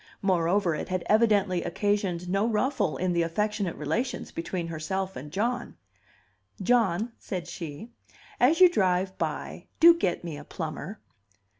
Moreover, it had evidently occasioned no ruffle in the affectionate relations between herself and John. "John," said she, "as you drive by, do get me a plumber."